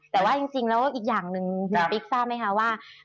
แต่ว่าจริงแล้วก็อีกอย่างนึงพี่ปิ๊กรู้ไหมคะว่า